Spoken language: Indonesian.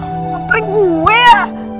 apa puan pering gue ya